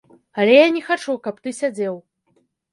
Але я не хачу, каб ты сядзеў.